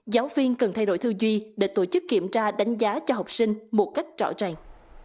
giáo viên cần thay đổi thư duy để tổ chức kiểm tra đánh giá cho học sinh một cách rõ ràng